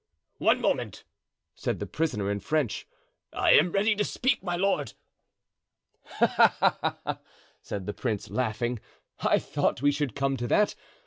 "One moment," said the prisoner, in French. "I am ready to speak, my lord." "Ah! ah!" said the prince, laughing, "I thought we should come to that.